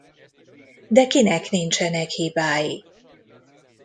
De kinek nincsenek hibái?